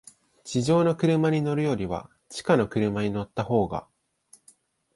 地上の車に乗るよりは、地下の車に乗ったほうが、